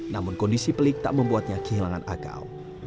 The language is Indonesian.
namun kondisi pelik tak membuatnya kehilangan akal